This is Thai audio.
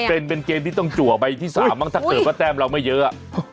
เป็นเป็นเกมที่ต้องจุออกไปที่๓มั้งถ้าเกิดว่าแต้มเราไม่เยอะ